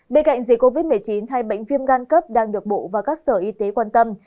bên cạnh dưới covid một mươi chín hay bệnh viêm can cấp đang được bộ vào các sở y tế quan tâm